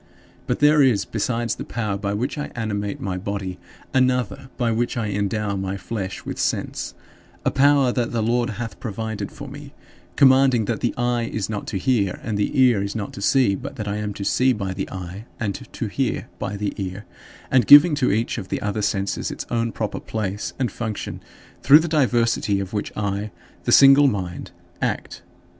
But there is, besides the power by which I animate my body, another by which I endow my flesh with sense a power that the Lord hath provided for me; commanding that the eye is not to hear and the ear is not to see, but that I am to see by the eye and to hear by the ear; and giving to each of the other senses its own proper place and function, through the diversity of which I, the single mind, act.